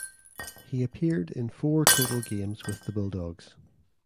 He appeared in four total games with the Bulldogs.